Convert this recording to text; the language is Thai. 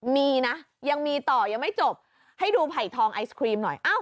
มีนะยังมีต่อยังไม่จบให้ดูไผ่ทองไอศครีมหน่อย